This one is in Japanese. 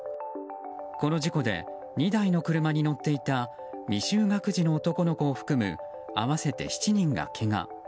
この事故で２台の車に乗っていた未就学児の男の子を含む合わせて７人がけが。